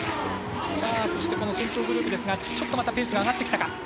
そして、先頭グループですがちょっとペースが上がってきたか。